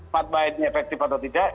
fatba ini efektif atau tidak